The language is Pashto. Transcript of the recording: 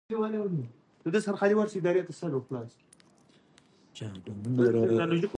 د هېواد مرکز د افغان نجونو د پرمختګ لپاره فرصتونه برابروي.